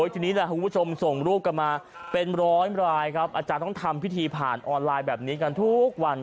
ทีนี้แหละคุณผู้ชมส่งรูปกันมาเป็นร้อยรายครับอาจารย์ต้องทำพิธีผ่านออนไลน์แบบนี้กันทุกวัน